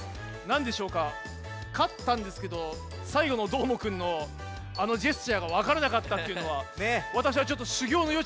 なんでしょうかかったんですけどさいごのどーもくんのあのジェスチャーがわからなかったっていうのはわたしはちょっとしゅぎょうのよ